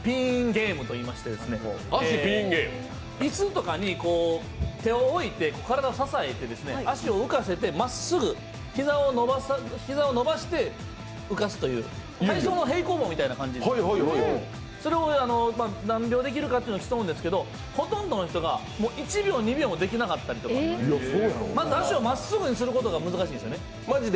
ゲームといいまして、椅子とかに手を置いて体を支えて足を浮かせて、まっすぐ膝を伸ばして浮かすという体操の平行棒みたいな感じそれを何秒できるかというのを競うんですけどほとんどの人が１秒、２秒もできなかったりとか、まず脚をまっすぐにすることができないんですよね。